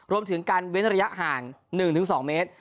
รวมถึงการเว้นระยะห่าง๑๒เมตร